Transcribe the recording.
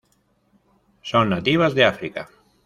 Son nativas de África.